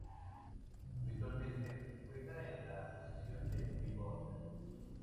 Habitualmente juega en la posición de pívot.